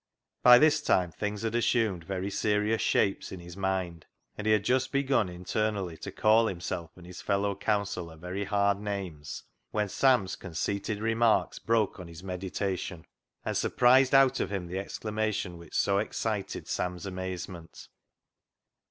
By this time things had assumed very serious shapes in his mind, and he had just begun internally to call himself and his fel low counsellor very hard names, when Sam's conceited remarks broke on his meditation, FOR BETTER, FOR WORSE 183 and surprised out of him the exclamation which so excited Sam's amazement.